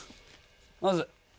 まず。